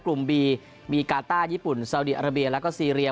บีบีกาต้าญี่ปุ่นซาวดีอาราเบียแล้วก็ซีเรีย